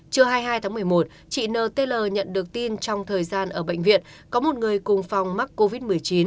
trưa hai mươi hai tháng một mươi một chị nt nhận được tin trong thời gian ở bệnh viện có một người cùng phòng mắc covid một mươi chín